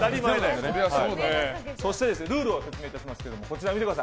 そして、ルールを説明いたします。